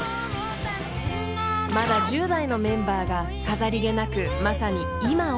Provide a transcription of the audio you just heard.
［まだ１０代のメンバーが飾り気なくまさに今を